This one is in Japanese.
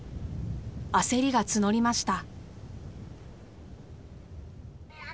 焦りが募りました。